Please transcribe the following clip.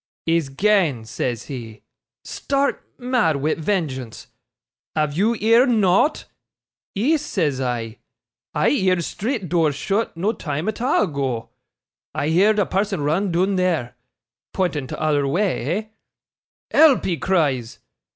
"He's gane," says he, stark mad wi' vengeance. "Have you heerd nought?" "Ees," says I, "I heerd street door shut, no time at a' ago. I heerd a person run doon there" (pointing t'other wa' eh?) "Help!" he cries.